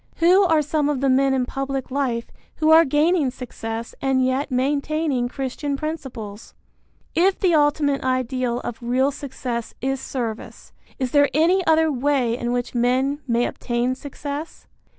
Who are some of the men in public life who are gaining success and yet maintaining Christian principles? If the ultimate ideal of real success is service, is there any other way in which men may obtain success?